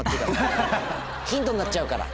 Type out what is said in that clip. ヒントになっちゃうから。